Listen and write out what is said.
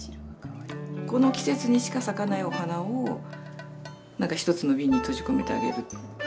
この季節にしか咲かないお花を何か一つのビンに閉じ込めてあげる。